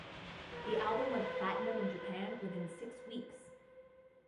The album went platinum in Japan within six weeks.